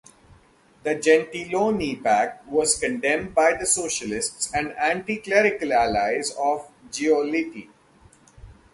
The Gentiloni Pact was condemned by Socialists and anti-Clerical allies of Giolitti.